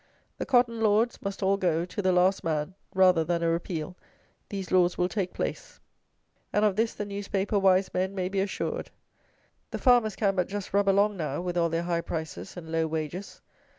The Cotton Lords must all go, to the last man, rather than a repeal, these laws will take place: and of this the newspaper wise men may be assured. The farmers can but just rub along now, with all their high prices and low wages.